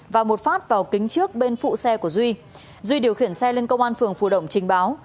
và một phát vào kính trước bên phụ xe của duy duy điều khiển xe lên công an phường phù động trình báo